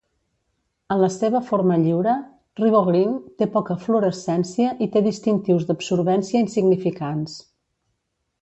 En la seva forma lliure, RiboGreen té poca fluorescència i té distintius d'absorbència insignificants.